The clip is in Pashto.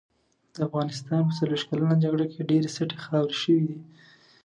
د افغانستان په څلوښت کلنه جګړه کې ډېرې سټې خاورې شوې دي.